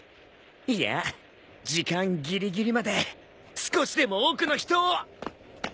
いや時間ギリギリまで少しでも多くの人を！